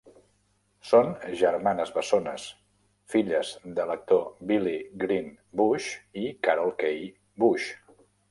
Són germanes bessones, filles de l'actor Billy "Green" Bush i Carole Kay Bush.